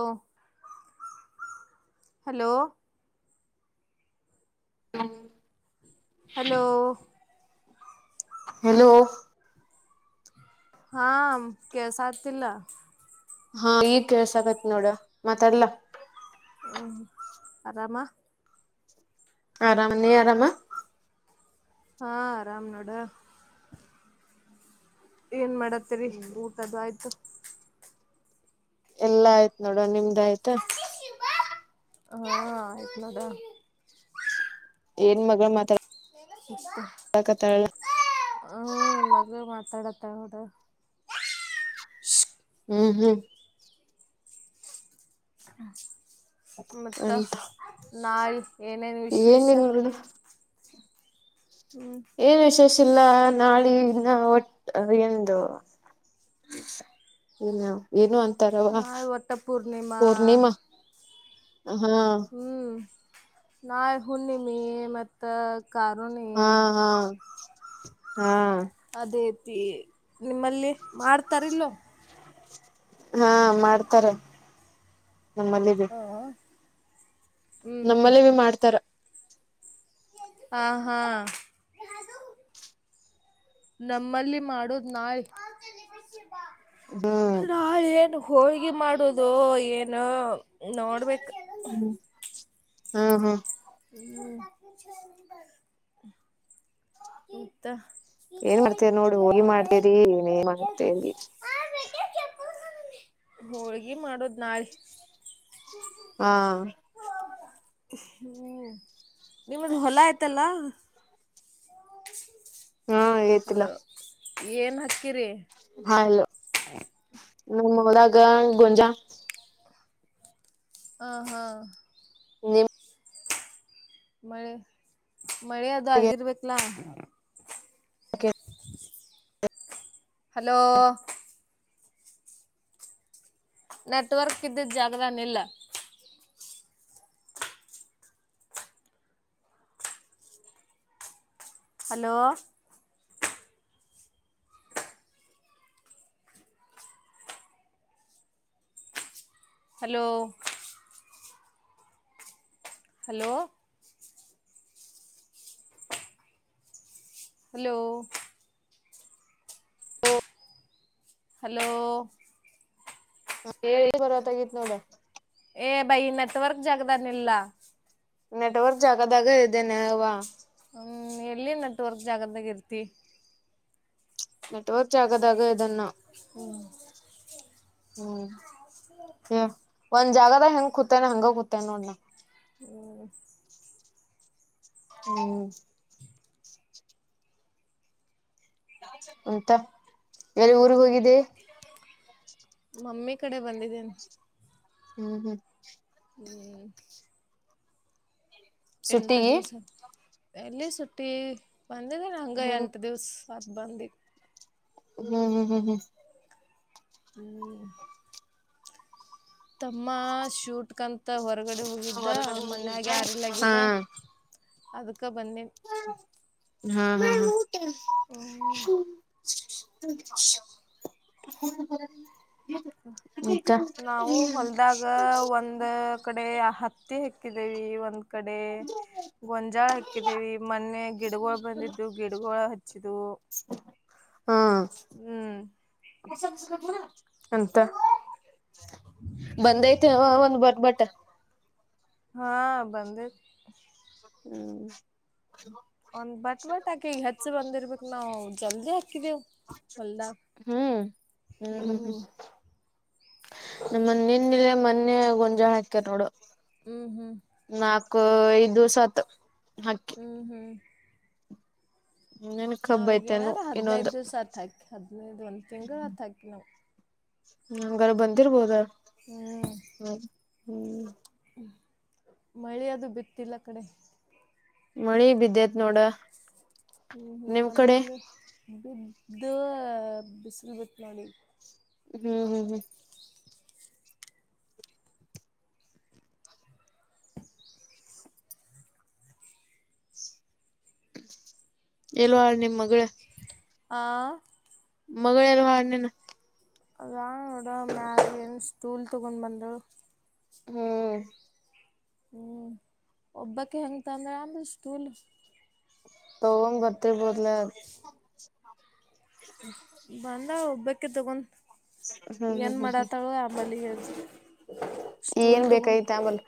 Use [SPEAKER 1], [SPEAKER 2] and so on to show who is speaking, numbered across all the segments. [SPEAKER 1] ೋ hello
[SPEAKER 2] ಹ್ಮ
[SPEAKER 1] hello
[SPEAKER 2] hello
[SPEAKER 1] ಹಾ ಕೆಸ ಆತಿಲ್ಲ
[SPEAKER 2] ಹಾ ಈಗ್ ಕೆಲ್ಸ ಆಕತ್ ನೋಡ ಮತಲ್ಲ
[SPEAKER 1] ಹ್ಮ್ ಆರಾಮ
[SPEAKER 2] ಆರಾಮ ನೀ ಆರಾಮ
[SPEAKER 1] ಹಾ ಆರಾಮ್ ನೋಡ ಏನ್ ಮಾಡತ್ತೇರಿ ಊಟದು ಆಯ್ತು
[SPEAKER 2] ಎಲ್ಲಾ ಆಯ್ತ್ ನೋಡುವ ನಿಮ್ದ ಆಯ್ತಾ
[SPEAKER 1] ಹಾ ಇತನದ
[SPEAKER 2] ಏನ್ ಮಗಳು ಮಾತಾ
[SPEAKER 1] ಹ್ಮ ನಮಾಗ ಮಾತಾಡ ಹಟ್ಟ ಹುಡು
[SPEAKER 2] ಹ್ಮ್ ಹ್ಮ್
[SPEAKER 1] ಹ್ಮ ಮತ್ತ
[SPEAKER 2] ಅಂತ
[SPEAKER 1] ನಾಳಿ ಏನೇನು ವಿಶೇಷ
[SPEAKER 2] ಏನಿಲ್ಲ ನೋಡ
[SPEAKER 1] ಹ್ಮ್
[SPEAKER 2] ಏನ್ ವಿಶೇಷ ಇಲ್ಲ ನಾಳಿನ್ನ ಒಟ್ಟ ಅ ಂದು ಏನು ಏನು ಅಂತ ತವಾ
[SPEAKER 1] ನಾಳೆ ವಟ್ಟ ಪೂರ್ಣಿಮಾ
[SPEAKER 2] ಪೂರ್ಣಿಮಾ ಹಾ
[SPEAKER 1] ಹ್ಮ್ ನಾ ಹುಣ್ಣಿಮೆ ಮತ್ತ ಕಾರಣ
[SPEAKER 2] ಹಾ ಹಾ ಹಾ
[SPEAKER 1] ಅದೇ ನಿಮ್ಮಲ್ಲಿ ಮಾಡ್ತಾರಲ್ಲೋ
[SPEAKER 2] ಹಾ ಮಾಡ್ತಾರೆ ನಮ್ಮಲ್ಲಿ ಬಿ
[SPEAKER 1] ಹ ಹ್ಮ್
[SPEAKER 2] ನಮ್ಮಲ್ಲಿ ಭ ಮಾಡ್ತಾರ
[SPEAKER 1] ಹ ಹಾ ನಮ್ಮಲ್ಲಿ ಮಾಡೋುದ್ ನಾಯ್
[SPEAKER 2] ಹ್ಮ್
[SPEAKER 1] ನಾ ಏನು ಹೋಳ್ಗಿ ಮಾಡುದು ಏನು ನೋಡ್ಬೇಕ
[SPEAKER 2] ಹಾ ಹಾ
[SPEAKER 1] ಹ್ಮ ಇತ
[SPEAKER 2] ಏನ್ ಮಾಡ್ತೇರಿ ನೋಡಿ ಹೋಳಿ ಮಾಡ್ತೇರಿ ನೀನ್ ಮಾಡ್ತೇವ್ರ
[SPEAKER 1] ಹೋಳ್ಗಿ ಮಾಡೋದು್ ನಾಳೆ
[SPEAKER 2] ಹಾ
[SPEAKER 1] ಹ್ಮ್ ನಿಮ್ಮದು ಹೊಲ ಆಯ್ತಲ್ಲ ಹ
[SPEAKER 2] ಹೇತಿಲ್ಲ
[SPEAKER 1] ಏನು ಹಾಕ್ಕಿರಿ
[SPEAKER 2] ಹಾಲೋ
[SPEAKER 1] ಹ
[SPEAKER 2] ಮೋದಾಗ ಗೊಂಜಾ
[SPEAKER 1] ಆ ಹಾ
[SPEAKER 2] ನಿ್ಮ
[SPEAKER 1] ಮಳೆ ಮಳೆ ಅದು ಆಗಿರ್ಬೇಕಲಾ ಹಲೋ ನೆಟ್ವರ್ಕ್ ಇದಿದ್ದ ಜಾಗದ ನಿಲ್ಲ ಹಲೋ ಹಲೋ ಹಲೋ. ಹಲೋ.
[SPEAKER 2] ಹ.
[SPEAKER 1] ಹಲೋ.
[SPEAKER 2] ಹ ಹೇಳಿ ಪರ್ತ ಆಗಿತ್ ನೋಡ.
[SPEAKER 1] ಏ ಬೈ ನೆಟ್ವರ್ಕ್ ಜಾಗದಾನ ಇಲ್ಲ.
[SPEAKER 2] ನೆಟ್ವರ್ಕ್ ಜಾಗದಾಗ ಇದ್ದೇನೆವಾ.
[SPEAKER 1] ಹ್ಮ್ ಎಲ್ಲಿ ನೆಟ್ವರ್ಕ್ ಜಾಗದ್ದಾಗ ಇರ್ತಿ.
[SPEAKER 2] ನೆಟ್ವರ್ಕ್ ಆಗದಾಗ ಇದನ್ನ. ಹ್ಮ್.
[SPEAKER 1] ಹ.
[SPEAKER 2] ಒಂದ್ ಜಾಗದ ಹೆಂಗ ಕೂತೇನೆ ಹಂಗ ಕೂತೇ ನೋಡ್ಣ.
[SPEAKER 1] ಹ್ಮ್.
[SPEAKER 2] ಹ್ಮ್. ಉಂತ ಎಲ್ಲಿ ಊರ್ಗ್ ಹೋಗಿದ್ದೆ.
[SPEAKER 1] ಮಮ್ಮಿ ಕಡೆ ಬಂದಿದ್ದೇನೆ
[SPEAKER 2] ಹ್ಮ್ ಹ್ಮ್
[SPEAKER 1] ಹ್ಮಞ ಎಂಟು
[SPEAKER 2] ಸುಟ್ಟಿಗಿ
[SPEAKER 1] ದಿವ್ಸ ಎಲ್ಲಿ ಸುಟ್ಟಿ ಬಂದಿದೆ ಹಂಗ
[SPEAKER 2] ಹ್ಮ್
[SPEAKER 1] ಎಂಟು ದಿವ್ಸ ಪತ್ಬಂದಿ
[SPEAKER 2] ಹ್ಮ್ ಹ್ಮ್ ಹ್ಮ್ ಹ್ಮ್
[SPEAKER 1] ಹ್ಮ್ ತಮ್ಮ ಶೂಟ್ ಕಂತ ಮತ್ತ ಹೊರಗಡೆ ಹೋಗಿದ್ದ ಮನ್ಯಗ
[SPEAKER 2] ಹಾ
[SPEAKER 1] ಯಾರಿಲ್ಲಗರ ಅದಕ್ಕ ಬನ್ನಿ
[SPEAKER 2] ಹಾ ಹ್ಮ ಹ್ಮ
[SPEAKER 1] ನಾವು ಹೊಲದಾಗ ಒಂದ್ ಕಡೆ ಹತ್ತಿ ಹೆಕ್ ಹಿದ್ದೇವಿ ಒಂದ ಕಡೆ ಗೊಂಜಾಳ ಹಾಕಿದ್ದೇವಿ ಮೊನ್ನೆ ಗಿಡಗಳು ಬಂದಿದ್ದು ಗಿಡ ಹಚ್ಚಿದು
[SPEAKER 2] ಹಾ
[SPEAKER 1] ಹ್ಮ್
[SPEAKER 2] ಅಂತ ಬಂದೈತೆ ಒಂದ್ ಬರ್ ಬಟ್ಟ
[SPEAKER 1] ಹಾ ಬಂದ
[SPEAKER 2] ಹ್ಮ್
[SPEAKER 1] ಒಂದ್ ಬಟ್ ಬಟ್ ಹಾಕಿ ಈ ಹೆಚ್ಚ ಬಂದಿರ್ಬೇಕಕ್ ನಾವು ಜಲ್ದಿ ಹಾಕಿದೇವು
[SPEAKER 2] ಹ್ಮ್
[SPEAKER 1] ಹ್ಮ್
[SPEAKER 2] ಹ್ಮ್್ಮ್ಮ ನಮ್ಮ ಮಣ್ಣಲೆ ಮೊನ್ನೆ ಗೊಂಜಾಳ ಹಾಕ್ಯಾರ್ ನೋಡು
[SPEAKER 1] ಹ್ಮ್ ಹ್ಮ್
[SPEAKER 2] ನಾಕು ಐದುಿವಸತ್
[SPEAKER 1] ಹ್ಮ್ ಹ್ಮ್
[SPEAKER 2] ಇನ್ನೇನ್ ಕಬ್ಬ
[SPEAKER 1] ನಾವಗ
[SPEAKER 2] ಐತೆನು
[SPEAKER 1] ಏನಾದ್ರರು ಹದ್ನೈದ
[SPEAKER 2] ಇನ್ನೊಂದು
[SPEAKER 1] ದಿವ್ಸತ್ ಹಾಕಿ ಹದ್ನೈದು ಒಂದ್ ತಿಂಗ್ಗಳು ಹತ್ ಹಾಕಿ ನಾವವು
[SPEAKER 2] ನಮಗಾರ ಬಂದಿರ್ಬೋದ
[SPEAKER 1] ಹ್ಮ್
[SPEAKER 2] ಹ್ಮ್ ಹ್ಮ್
[SPEAKER 1] ಮಳೆ ಅದು ಬಿತ್ತಿಲ್ಲ ಕಡೆ
[SPEAKER 2] ಮಣಿ ಬಿದ್ದೇತ್ ನೋಡ
[SPEAKER 1] ಹ್ಮ್ ಹ್ಮ್
[SPEAKER 2] ನಿಮ್ ಕಡೆ
[SPEAKER 1] ನಮ್ಮಲ್ಲಿ ಬಿದ್ದ ಬಿಸಿಲು ಬಿಟ್ಟ ನೋಡಿ
[SPEAKER 2] ಹ್ಮ್ ಹ್ಮ್ ಹ್ಮ್ ಎಲ್ ನಿಮ್ ಮಗಳ
[SPEAKER 1] ಆ
[SPEAKER 2] ಮಗಳಲ್ಲ ಹಾರ್ಣನ
[SPEAKER 1] ಅಾೋಡ ಮಾಲನ್ ಸಟೂಲ್ ತಗೊಂಡ ಬಂದ
[SPEAKER 2] ಹ್ಮ್
[SPEAKER 1] ಹ್ಮ್ ಒಬ್ಬಕ ಹೆಂಗಂತ ಅಂದ್ರ ಆಮ ಸ್ಕೂಲ್
[SPEAKER 2] ತಗೊಂಡ್ ಬರ್ತಿರ್ಬೋದಲ
[SPEAKER 1] ಬಂದ ಒಬ್ಬಕಿ ತಗೊ
[SPEAKER 2] ಹ್ಮ್ ಹ್ಮ್
[SPEAKER 1] ಏನ್
[SPEAKER 2] ಹ್ಮ್ ಹ್ಮ್
[SPEAKER 1] ಮಾಡತಳು ಆಮಲ
[SPEAKER 2] ಏನ್ ಬೇಕೈತ ಆಮಲ್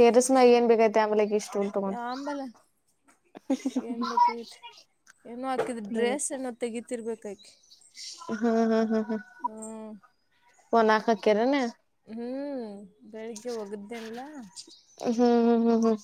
[SPEAKER 2] ತರಸ್ ಮ ಏನ್ ಬೇಕಯತೆ ಆಮೇಲೆಗೆಷ್ಟ
[SPEAKER 1] ಆಂಬಲ ಏನ್ ಬೈತಿ ಏನೋ ಆಾಕಿದ್
[SPEAKER 2] ಹ್ಮ್
[SPEAKER 1] ಡ್ರೆಸ್ ಏನೋ ತೆಗೀತಿರ್ಬೇಕಾಕಿ
[SPEAKER 2] ಹ್ಮ್ ಹ್ಮ್ ಹ್ಮ್ ಹ್ಮ್
[SPEAKER 1] ಹ್ಮ್
[SPEAKER 2] ಒ ನ ಆಕಕ್ಕೆರನೆ
[SPEAKER 1] ಹ್ಮ್ ಬೆಳಿಗ್ಗೆ ಹೋಗುದ್ದೇನ್ಲ್ಲ
[SPEAKER 2] ಹ್ಮ್ ಹ್ಮ್ ಹ್ಮ್ ಹ್ಮ್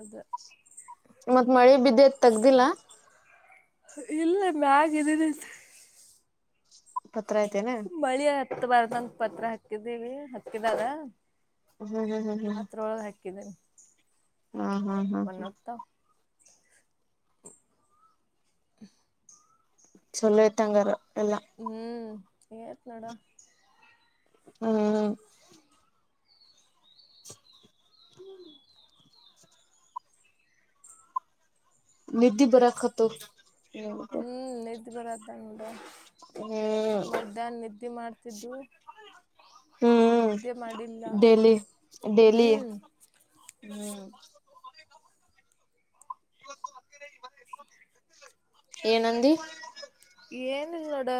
[SPEAKER 1] ಅದು
[SPEAKER 2] ಮತ್ ಮಳೆ ಬಿದ್ದೆತ್ ತಗ್ದಿಲ್ಲ
[SPEAKER 1] ಇಲ್ಲ ಮಾಗ
[SPEAKER 2] ಪತ್ರ ಐತೆೇನ
[SPEAKER 1] ಮಳಿ ಹತ್ತ ಬಾರದಂತ ಪತ್ರ ಹಾಕಿದೀವಿ ಹಕ್ಕಿದಾರ
[SPEAKER 2] ಹ್ಮ್ ಹ್ಮ್ ಹ್ಮ್ ಹ್ಮ್್ಮ
[SPEAKER 1] ಕನೆ
[SPEAKER 2] ಹ್ಮ್ ಹ್ಮ್ ಹ್ಮ್ ಹ್ಮ್
[SPEAKER 1] [inaudible]
[SPEAKER 2] ಚಲ್ಲತಂಗಾರ
[SPEAKER 1] ಹ್ಮ್ ತ ನೋಡ
[SPEAKER 2] ಹ್ಮ್
[SPEAKER 1] [inaudible]
[SPEAKER 2] ನಿಧಿ ಬರಕತ್ತು
[SPEAKER 1] ನ ಬರದ ನೋಡ ಮಧ್ಯಾಹ್ನ ನಿದ್ದೆ ಮಾಡ್ತಿದ್ದು
[SPEAKER 2] ಹ್ಮ್
[SPEAKER 1] ವಿದ್ಯೆ ಮಾಡಿಲ್ಲ
[SPEAKER 2] ಡೇಲಿ ಡೇಲಿ
[SPEAKER 1] ಹ್ಮ್
[SPEAKER 2] ಹ್ಮ್ ಏನಂದ
[SPEAKER 1] ಏನ ಇಲ್ ನೋಡ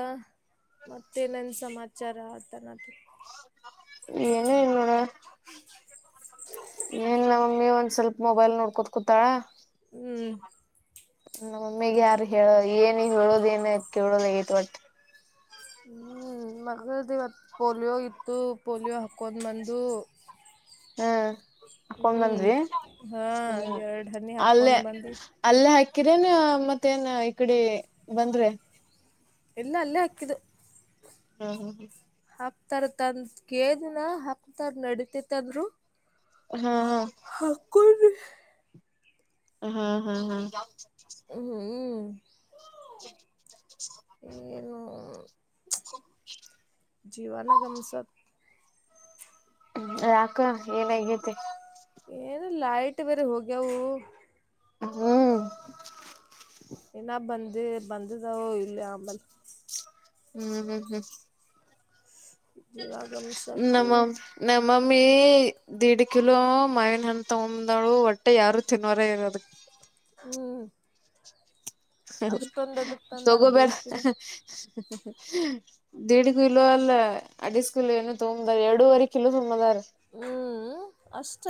[SPEAKER 1] ಮತ್ತೇನನ್ ಸಮಾಚಾರ ಆತ
[SPEAKER 2] ಏನು ಇನರ ನ್ ನಮಮಗೆ ಒಂದ್ ಸ್ವಲ್ಪ ಮೊಬೈಲ್ ನೋಡ್ಕೊತ್ ಕುೂತಾಳ
[SPEAKER 1] ಹ್ಮ್
[SPEAKER 2] ನೊಮ್ಮಿಗೆ ಯಾರು ಹೇಳ ಏನ ಹೇಳೋದ ಏನ ಕೇಳೋದ ತಟ್ಟ
[SPEAKER 1] ಹ್ಮ್ ಮಗದ ಇವತ್ತು ಪೋಲಿಯೋ ಇತ್ತು ಪೋಲಿಯೋ ಹಾಕ್ ಕೊೊಂಡಮಂದು
[SPEAKER 2] ಹ್ಮ ಹಾಕೊಂಡ್ ಬಂದಿ
[SPEAKER 1] ಹಾ
[SPEAKER 2] ಹ್ಮ್
[SPEAKER 1] ಎರಡ್ ಹನಿ
[SPEAKER 2] ಅಲ್ಲೇ
[SPEAKER 1] ಹಾಕೊಂಡ್ ಬಂದು
[SPEAKER 2] ಅಲ್ಲೇ ಹಾಕಿ ಕಿರಣೇನ್ ಮತ್ತೇನ್ ಈ ಕಡೆ ಬಂದ್ರೆ
[SPEAKER 1] ಇಲ್ಲ ಅಲ್ಲೇ ಹಾಕ್ಕಿದು
[SPEAKER 2] ಹಾ ಹ್ಮ ಹಾ
[SPEAKER 1] ಹಾಕ್ತಾರ ತಂದ ಕೇಳ ದಿನ ಹಾಕ್ತಾರ ನಡತಿತ್ತಂದ್ರು
[SPEAKER 2] ಹಾ ಹಾ ಹಾ ಹಾ ಹಾ
[SPEAKER 1] ಹ
[SPEAKER 2] ಹ್ಮ ಹ
[SPEAKER 1] ಜೀವಾನ ಕಮಸ
[SPEAKER 2] ರಾಕ ಏನಗತಿ
[SPEAKER 1] ಏನು ಲೈಟ್ ಬೇರೆ ಹೋಗ್ಯವು
[SPEAKER 2] ಹ್ಮ್
[SPEAKER 1] ನ್ನ ಬಂದ ಬಂದದೋ ಇಲ್ಲ ಆಂಬಲ್
[SPEAKER 2] ಹ್ಮ್ ಹ್ಮ್ ಹ್ಮ್
[SPEAKER 1] ಜೀವಾಗಂಶ ಅಂತೂ
[SPEAKER 2] ನಮ್ಮಾಮ ನಮ್ಮಮ್ಮಿ ದಿಡ್ ಕಿಲೋ ಮವನ್ ಅ ತಗಂದಾಳು ಹೊಟ್ಟೆ ಯಾರು ತಿನ್ವರ ಇರದ
[SPEAKER 1] ಹ್ಮ ತಂದಾರ
[SPEAKER 2] ಸಗೋಬೇಡ
[SPEAKER 1] ದೇಡ್ ಕಿಲೋ
[SPEAKER 2] ದಡಿಗ ಕಲೋ ಅಲ್ಲ ಅಡಿಸ ಕಿಲೋಏನು ತಂಬುದ ಎರೂವರೆ ಕಿತುಂಬದಾರೆ
[SPEAKER 1] ಹ್ಮ್ ಅಷ್ಟ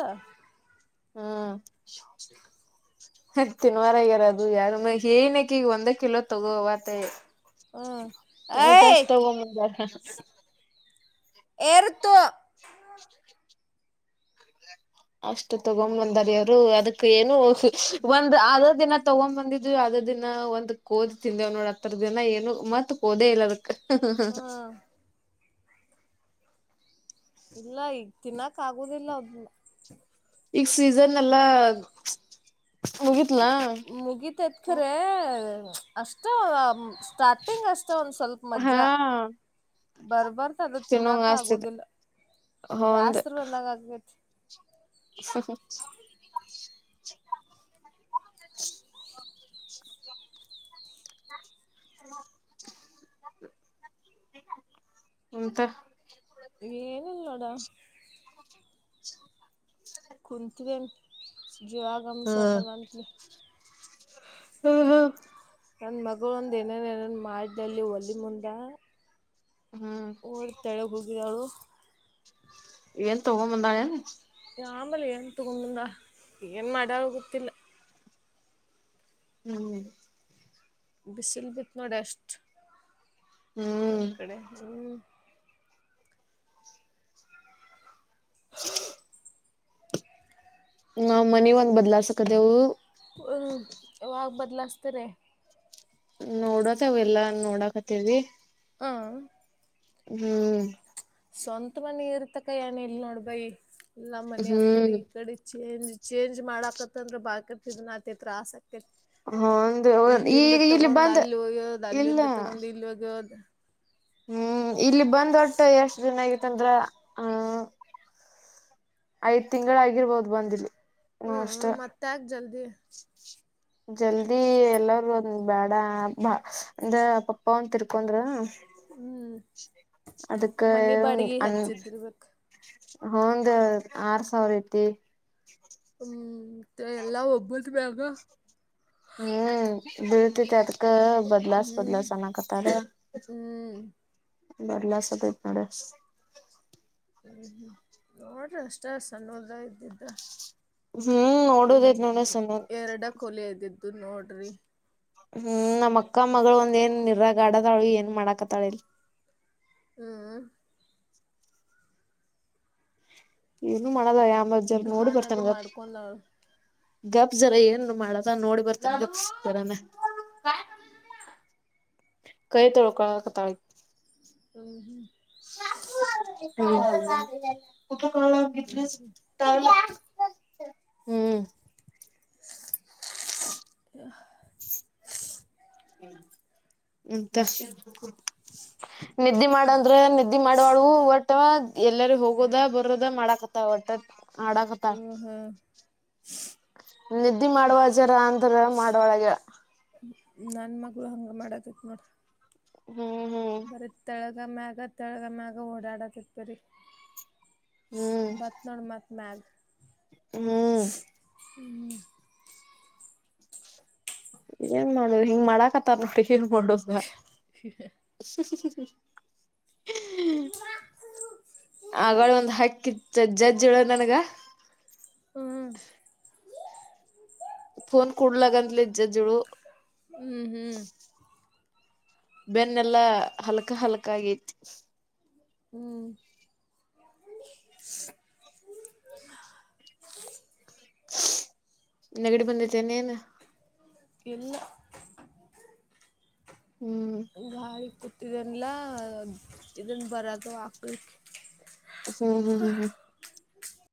[SPEAKER 2] ಹ್ಮ್ ತಿನ್ವಾರಗ್ಯಾರದು ಯಾರ ಏನಕ್ಕೆ ಈಗ ಒಂದೇ ಕಿಲೋ ತಗೋವತ್ತ
[SPEAKER 1] ಹ್ಮ್ ಏಯ್
[SPEAKER 2] ಎದಷ್ಟತ ಒಮ್ಮ
[SPEAKER 1] ಎರ್ತ
[SPEAKER 2] [unintelligible] ಅಷ್ಟು ತಗೊ ಬಂದಾರ ಅವರು ಅದಕ್ ಏನು ಒಂದ್ ಅ ದಿನ ತಗೊ ಬಂದಿದ್ ಅ ಹ ದಿನ ಒಂದ್ ಕೋದಿ ತಿಂದವ್ ನೋಡ ಹತ್ತರ ದಿನ ಏನು ಮತ್ತತ್ ಕೋದೆ ಇಲ್ಲದಕ್ ಹ ಹ ಹ
[SPEAKER 1] ಹ್ಮ್ ಇಲ್ಲ ಈಗ ತಿನ್ನಾಕ್ ಆಗುದಿಲ್ಲ ಅದನ್ನ
[SPEAKER 2] ಈಗ ಸೀಸನ್ ಎಲ್ಲಾ ಮುಗಿತ್ಲಾ
[SPEAKER 1] ಮುಗಿತತ್ಖರ ಅಷ್ಟ ಸ್ಟಾರ್ಟಿಂಗ್ ಅಷ್ಟ ಒಂದ್ ಸ್ವಲ್ಪ ಮಜ್ಜ
[SPEAKER 2] ಹಾ
[SPEAKER 1] ಬರ್ಬರ್ ಅದ
[SPEAKER 2] ತಿನ್ನೋಂಗ
[SPEAKER 1] ತಿನ್ನಾಕ
[SPEAKER 2] ಆಸ್ತಿದೆ
[SPEAKER 1] ಆಗುದಿಲ್ಲ ಬೇಸ್ರು ಬಂದಾಗ ಆಗೈತಿ
[SPEAKER 2] ಹ ಹ [unintelligible] ಇಂತ
[SPEAKER 1] ಏನಲ್ಲೋಡ
[SPEAKER 2] [unintelligible]
[SPEAKER 1] ಕುತ್ವ ಜೀವಾಗಮ
[SPEAKER 2] ಹ
[SPEAKER 1] ಸ್ತನಂತಲಿ
[SPEAKER 2] ಹ್ಮ ಹ್ಮ
[SPEAKER 1] ನನ್ನ ಮಗ ಒಂದು ಏನೇನೇ ಮಾಡಲ್ಲಿ ಒಲಿ ಮುಂದೆ
[SPEAKER 2] ಹ್ಮ್
[SPEAKER 1] ಓರ್ ತೆಳಗೆ ಹೋಗಿದವಳು
[SPEAKER 2] ಏನು ತೋಗ ಮಂದಳನು
[SPEAKER 1] ಆಂಬಲೆ ಏನ್ ತುಗೊಂಡಂದ ಏನ್ ಮ ಆ ಗೊತ್ತಿಲ್ಲ
[SPEAKER 2] ಹ್ಮ್
[SPEAKER 1] ಬಿಸಿಲ್ ಬಿತ್ ನೋಡಿ ಅಷ್ಟ್
[SPEAKER 2] ಹ್ಮ್
[SPEAKER 1] ನಂದ್ ಕಡೆ ಹ್ಮ್
[SPEAKER 2] ಹ ನ್ ಮನ ಒಂದ್ ಬದ್ಲಸಕದೆೇವು
[SPEAKER 1] ಹ ಅವಾಗ ಬದಲಿಸ್ತಾರೆ
[SPEAKER 2] ನೋಡತ್ ಅವ ಎಲ್ಲಾ ನೋಡಾಕತ್ತವಿ
[SPEAKER 1] ಹಾಂ
[SPEAKER 2] ಹ್ಮ್
[SPEAKER 1] ಸ್ವಂತ ಮನಿ ಇರ್ತಕ್ಕ ಏನ ಇಲ್ ನೋಡ್ ಬೈ ಇಲ್ಲ ಮನ ಆ ಕಡೆ
[SPEAKER 2] ಹ್ಮ್
[SPEAKER 1] ಈ ಕಡೆ ಚೇಜ್ ಚೇಂಜ್ ಮಾಡಾಕತ್ತಂದ್ರೆ ಬಾಳ್ಕಟ್ಟಿದ್ ನತ್ರ ಆಸಕ್ತಿ
[SPEAKER 2] ಹಂದು
[SPEAKER 1] ಇಲ್ಲಿಂದ
[SPEAKER 2] ಈಗ ಇಲ್ಲಿ
[SPEAKER 1] ತಗೊಂಡ್
[SPEAKER 2] ಬಂದ್
[SPEAKER 1] ಅಲ್ಲಿ ಹೋಗ್ಯೋದು
[SPEAKER 2] ಇಲ್ಲ
[SPEAKER 1] ಅಲ್ಲಿಂದ ತಗೊಂಡ್ ಇಲ್ಲಿ ಹೋಗ್ಯೋದು
[SPEAKER 2] ಹ್ಮ್ ಇಲ್ಲಿ ಬಂದ್ ಹೊಟ್ಟು ಎಷ್ಟ ಜನ ಆಗತ್ತಂದ್ರ ಹ್ಮ ಐದ್ ತಿಂಗಳ ಆಗಿರ್ಬೋದು ಬಂದಿಲ್ಲ ಹ ಅಷ್ಟ
[SPEAKER 1] ಹ್ಞೂ ಮತ್ತೆ ಯಾಕೆ ಜಲ್ದಿ
[SPEAKER 2] ಜಲ್ದಿ ಎಲ್ಲರುೂ ಒಂದ್ ಬ್ಯಾಡ ಬಾ ಅಂದ ಪಪ್ಪ ಒಂದ ತಿರ್ಕೊಂಡ್ರ
[SPEAKER 1] ಹ್ಞೂ
[SPEAKER 2] ಅದಕ್ಕೆ
[SPEAKER 1] ಮನಿ ಬಾಡಿಗೆ
[SPEAKER 2] ಅನ್
[SPEAKER 1] ಹೆಚ್ಚಿದ್ದಿರ್ಬೇಕ.
[SPEAKER 2] ಹಂದ್ ಆರ್ ಸಾವಿರ ಐತಿ
[SPEAKER 1] ಹ್ಮ್ ಎಲ್ಲಾ ಒಬ್ಬೊದು ಬಗ
[SPEAKER 2] ಹ್ಮ್ ಬೀಳ್ತತಿ ಅದ ಬದಲಸ್ ಬದಲಸನ್ನಕತಾರೆ
[SPEAKER 1] ಹ್ಮ್
[SPEAKER 2] ಬರ್ಲ ಸತತ್ ನೋಡ
[SPEAKER 1] ಹ್ಮ್ ಹ್ಮ್ ನೋಡ್ರಿ ಅಷ್ಟ ಸಣ್ಣದ ಇದ್ದಿದ್ದ
[SPEAKER 2] ಹ್ಮ್ ನೋಡದೇದ ನಲ್ಲ ಸ
[SPEAKER 1] ಇದು ನೋಡ್ರಿ
[SPEAKER 2] ಹ್ಮ್ ನಮ್ಮ್ ಅಕ್ಕ ಮಗಳು ಒಂದ ಏನ್ ನಿರಗ ಆಡತಾಳಿ ಏನ್ ಮಾಡಾಕತ್ತಾಳಿಲ್
[SPEAKER 1] ಹ್ಮ್
[SPEAKER 2] ಏನು ಮಾಡದ ಅಂಬತ್ ಜರ ನೋಡಿ
[SPEAKER 1] ಘಾನ ಅದು
[SPEAKER 2] ಬರ್ತನ್ಗ
[SPEAKER 1] ಮಾಡ್ಕೊಂಡಾಳ.
[SPEAKER 2] ಗಬ್ ಜರ ಏನ್ ಮಾಡದ ನೋಡಿ ಬರ್ತಾನ ಗಪ್ತರಾನ ಕೈ ತಳೋಕ ಕ ತಳ [inaudible] ಕ ಹ್ಮ್
[SPEAKER 1] [inaudible]
[SPEAKER 2] [inaudible] ನಿದ್ದೆ ಮಾಡಂದ್ರೆ ನಿದ್ದೆ ಮಾಡುವಳು ಒಟ್ ಎಲ್ಲರೂ ಹೋಗೋದ ಬರೋದ ಮಾಡಕ ಒಟ್ಟ ಹಡಕುತ್ತಾ
[SPEAKER 1] ಹ್ಮ್ ಹ್ಮ್
[SPEAKER 2] ನಿದ್ದಿ ಮಾಡುವ ಜರ ಅಂತ ಮಾಡುವಳಗೆ
[SPEAKER 1] ನನ್ ಮಗಳು ಹಂಗ ಮಾಡದತ್ ನೋಡ
[SPEAKER 2] ಹ್ಮ್
[SPEAKER 1] ಈಗ ಮ್ಯಾಗ ತೆಳಗ ಮ್ಯಾಗ ಓಡಾಡತಿತ್ ಬರಿ
[SPEAKER 2] ಹ್ಮ್ ಹ್ಮ್
[SPEAKER 1] ಬತ್ ನೋಡ ಮತ್ ಮಲ್
[SPEAKER 2] ಹ್ಮ್ ಏನ್ ಮಾಡಿ ಹಿಂಗ್ ಮಾಡಾಕತ್ತಾರ ನೋಟ್ರಿ ಏನ್ ಮಾಡ ಹ್ಮ ಆಗಳ ಒಂದ್ ಹಕ್ಕಿ ಜಜ್ಜ್ಜಿಳ ನನ್ಗ
[SPEAKER 1] ಹ್ಮ್
[SPEAKER 2] ಫನ್ ಕೂಡಲ ಗಧಲ ಜಜುಳು
[SPEAKER 1] ಹ್ಮ್ ಹ್ಮ್
[SPEAKER 2] ಬೆನ್ನೆಲ್ಲಾ ಹಲಕ ಹಲ್ಕ ಆಗತಿ
[SPEAKER 1] ಹ್ಮ್ [inaudible]
[SPEAKER 2] ನಗಡಿ ಬಂದಿದ್ದೇನೇನು
[SPEAKER 1] ಎಲ್ಲ
[SPEAKER 2] ಹ್ಮ್
[SPEAKER 1] ಗಾಳಿ ಕುಟ್ಟ ಇದನ್ನಲ್ಲ ಇದನ್ ಬರದು ಹಾಕ್ಲಿಕ್ಕೆ
[SPEAKER 2] ಹ್ಮ್ ಹ್ಮ್ ಹ್ಮ ಹ್ಮ
[SPEAKER 1] ಹ